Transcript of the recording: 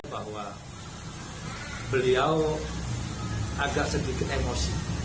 bahwa beliau agak sedikit emosi